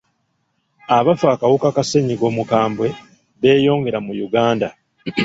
Abafa akawuka ka ssennyiga omukambwe beeyongera mu Uganda.